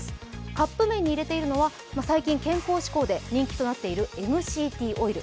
カップ麺に入れているのは最近健康志向で人気となっているＭＣＴオイル。